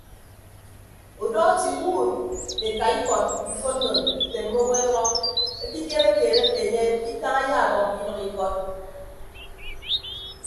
Udọ etiiwuud eka ikọd ifonno nte mme owo edʌñọ ekikere keed ete enye ke ikañ ayaabọkkọ idʌk ikọd.